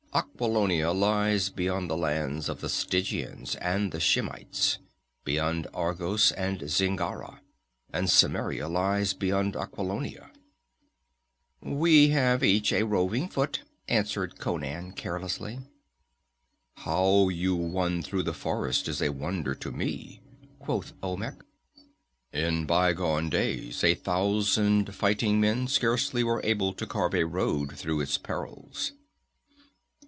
Aquilonia lies beyond the lands of the Stygians and the Shemites, beyond Argos and Zingara; and Cimmeria lies beyond Aquilonia." "We have each a roving foot," answered Conan carelessly. "How you won through the forest is a wonder to me," quoth Olmec. "In bygone days a thousand fighting men scarcely were able to carve a road through its perils."